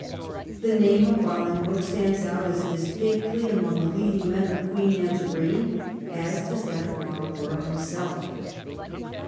The name of Bolingbroke stands out as distinctly among the leading men of Queen Anne's reign as does that of Marlborough himself.